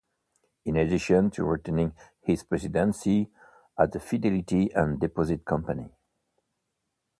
In addition to retaining his presidency at the Fidelity and Deposit Company.